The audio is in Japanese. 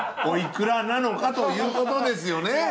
おいくらなのかということですよね。